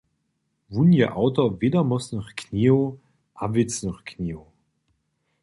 Wón je awtor wědomostnych knihow a wěcnych knihow.